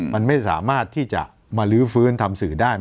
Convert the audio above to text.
มันไม่สามารถที่จะมาลื้อฟื้นทำสื่อได้